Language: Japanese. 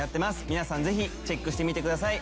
皆さんぜひチェックしてみてください。